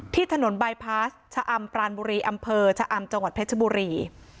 ที่ถนนบายพาสชะอำปรานบุรีอำเภอชะอำจังหวัดเพชรบุรี